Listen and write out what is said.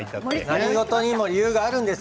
何事にも理由があるんです！